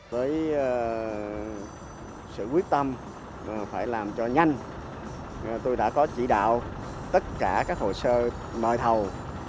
với sự quyết tâm phải làm cho nhanh tôi đã có chỉ đạo tất cả các hồ sơ mời thầu